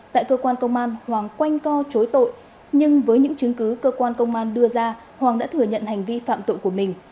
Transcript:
tại cơ quan công an hoàng quanh co chối tội nhưng với những chứng cứ cơ quan công an đưa ra hoàng đã thừa nhận hành vi phạm tội của mình